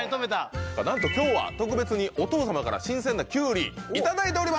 なんと今日は特別にお父さまから新鮮なきゅうり頂いております！